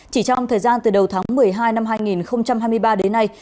chỉ trong thời gian từ đầu tháng một mươi hai năm hai nghìn hai mươi ba đến nay